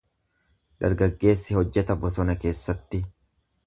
Dargaggeessi hojjeta bosona keessatti.